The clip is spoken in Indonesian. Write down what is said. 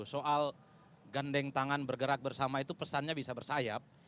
soal gandeng tangan bergerak bersama itu pesannya bisa bersayap